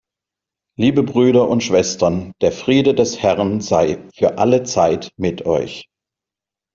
Liebe Brüder und Schwestern, der Friede des Herrn sei für alle Zeit mit euch.